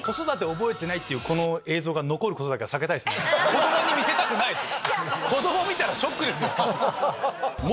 子供に見せたくないっす。